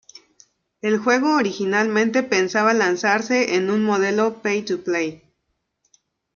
El juego originalmente pensaba lanzarse en un modelo pay-to-play.